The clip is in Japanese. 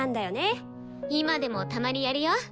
今でもたまにやるよ。